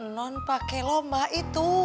non pake lomba itu